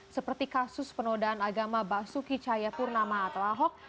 seperti kasus penodaan agama basuki cahayapurnama atau ahok